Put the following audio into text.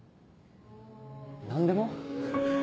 何でも？